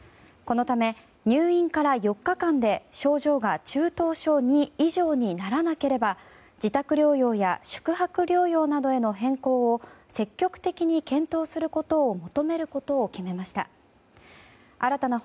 このため、入院から４日間で症状が中等症２以上にならなければ自宅療養や宿泊療養などへの変更を積極的に検討することを求めることを決めました。